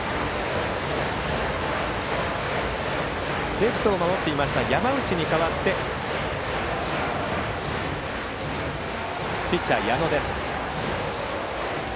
レフトを守っていた山内に代わりピッチャー、矢野です。